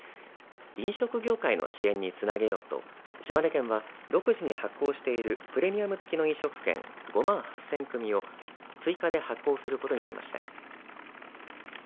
飲食業界の支援につなげようと島根県は独自に発行しているプレミアム付きの飲食券５万８０００組を追加で発行することになりました。